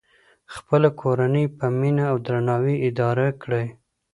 خپله کورنۍ په مینه او درناوي اداره کړئ.